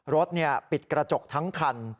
รถปิดกระจกทั้งคัน